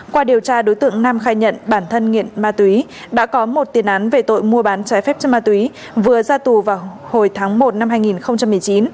qua điều tra đối tượng nam khai nhận bản thân nghiện ma túy đã có một tiền án về tội mua bán trái phép chất ma túy vừa ra tù vào hồi tháng một năm hai nghìn một mươi chín